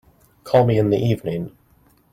Call me in the evening.